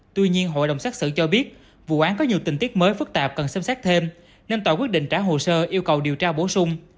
tuy nhiên hội đồng xét xử cho biết vụ án có nhiều tình tiết mới phức tạp cần xem xét thêm nên tòa quyết định trả hồ sơ yêu cầu điều tra bổ sung